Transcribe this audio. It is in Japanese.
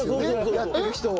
やってる人。